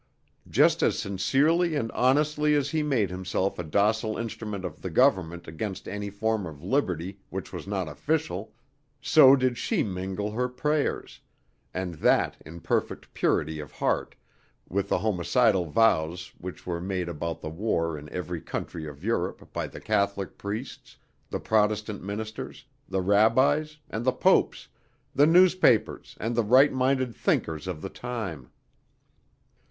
Just as sincerely and honestly as he made himself a docile instrument of the government against any form of liberty which was not official, so did she mingle her prayers, and that in perfect purity of heart, with the homicidal vows which were made about the war in every country of Europe by the Catholic priests, the Protestant ministers, the rabbis and the popes, the newspapers and the right minded thinkers of the time.